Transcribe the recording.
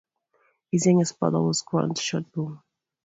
His youngest brother was Grant Short Bull.